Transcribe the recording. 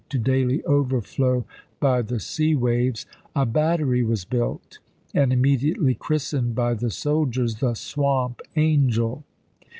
to daily overflow by the sea waves, a battery was built and immediately christened by the soldiers the " Swamp Angel."